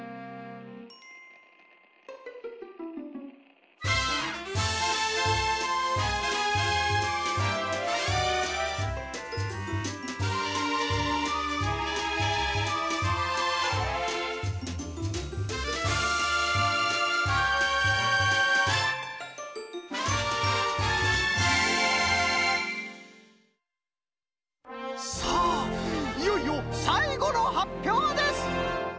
いよいよさいごのはっぴょうです！